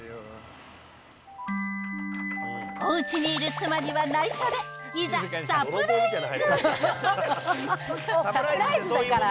おうちにいる妻にはないしょで、いざ、サプライズ。